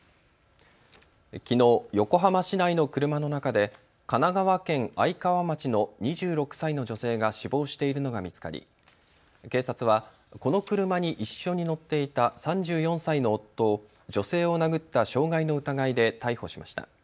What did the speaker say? きのう、横浜市内の車の中で神奈川県愛川町の２６歳の女性が死亡しているのが見つかり警察はこの車に一緒に乗っていた３４歳の夫を女性を殴った傷害の疑いで逮捕しました。